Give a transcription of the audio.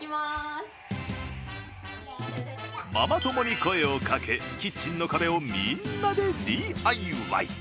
ママ友に声をかけ、キッチンの壁をみんなでＤＩＹ。